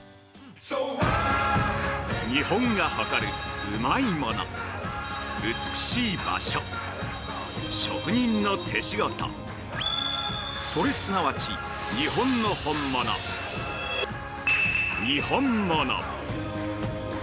◆日本が誇るうまいもの美しい場所、職人の手仕事、それ、すなわち日本の本物、にほんもの。